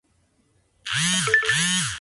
Él es último propietario.